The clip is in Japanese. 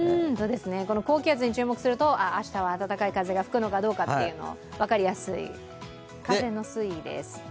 高気圧に注目すると明日は暖かい風が吹くのかどうかというのを分かりやすい、風の推移です。